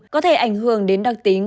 có thể ảnh hưởng đến đặc tính